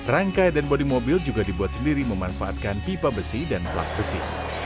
rangkai dan bodi mobil juga dibuat sendiri memanfaatkan pipa besi dan plat besi